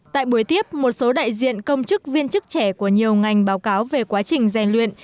tại buổi tiếp một số đại diện công chức viên chức trẻ của nhiều ngành báo cáo về quá trình rèn luyện